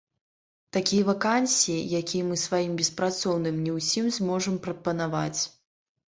Такія вакансіі, якія мы сваім беспрацоўным не ўсім зможам прапанаваць.